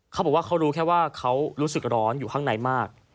เขาบอกว่าเขารู้แค่ว่าเขารู้สึกร้อนอยู่ข้างในมาก